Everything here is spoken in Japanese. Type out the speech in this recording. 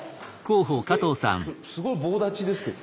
えすごい棒立ちですけど。